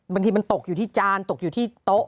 บางทีมันตกอยู่ที่จานตกอยู่ที่โต๊ะ